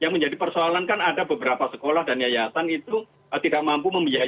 yang menjadi persoalan kan ada beberapa sekolah dan yayasan itu tidak mampu membiayai